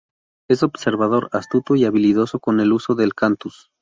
Es observador, astuto y habilidoso con el uso del cantus.